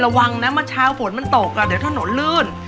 ระวังนะเมื่อเช้าฝนมันตกอ่ะเดี๋ยวถนนลื่น